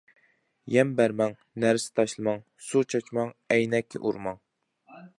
يەم بەرمەڭ، نەرسە تاشلىماڭ، سۇ چاچماڭ، ئەينەككە ئۇرماڭ.